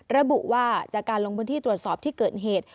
ระบุว่าจากการลงพื้นที่ตรวจสอบที่เกิดเหตุ